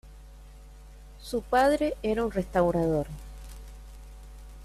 Su padre era un restaurador.